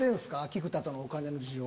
菊田とのお金の事情は。